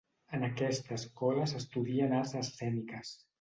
En aquesta escola s'estudien arts escèniques.